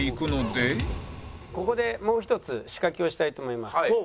ここでもう１つ仕掛けをしたいと思います。